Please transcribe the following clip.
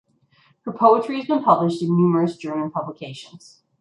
Her poetry has been published in numerous German publications.